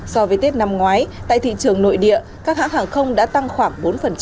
so với tết năm ngoái tại thị trường nội địa các hãng hàng không đã tăng khoảng bốn